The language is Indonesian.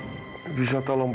sambil nikah sama rank